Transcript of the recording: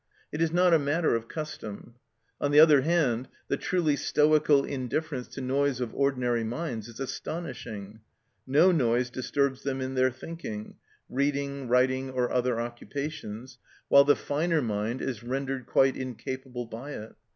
It is not a matter of custom. On the other hand, the truly stoical indifference to noise of ordinary minds is astonishing. No noise disturbs them in their thinking, reading, writing, or other occupations, while the finer mind is rendered quite incapable by it.